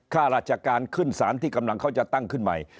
ข้าราชการขึ้นสารที่กำลังเขาจะตั้งขึ้นใหม่